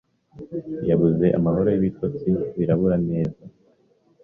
yabuze amahoro n’ibitotsi birabura neza